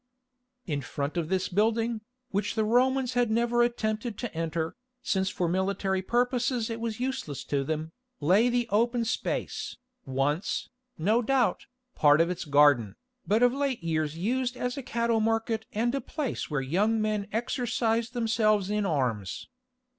In front of this building, which the Romans had never attempted to enter, since for military purposes it was useless to them, lay the open space, once, no doubt, part of its garden, but of late years used as a cattle market and a place where young men exercised themselves in arms.